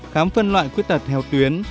khám phân loại khuyết tật theo tuyến